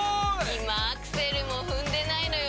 今アクセルも踏んでないのよ